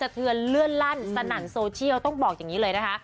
เทือนเลื่อนลั่นสนั่นโซเชียลต้องบอกอย่างนี้เลยนะคะ